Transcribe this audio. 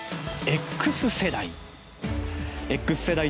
Ｘ世代。